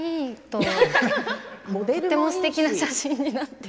とてもすてきな写真になって。